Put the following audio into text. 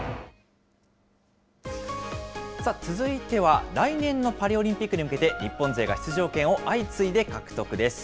続いては来年のパリオリンピックに向けて、日本勢が出場権を相次いで獲得です。